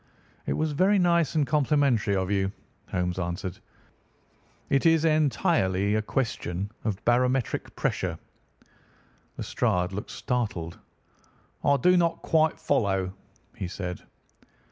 "It was very nice and complimentary of you," Holmes answered. "It is entirely a question of barometric pressure." Lestrade looked startled. "I do not quite follow," he said.